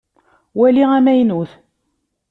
Wali amaynut.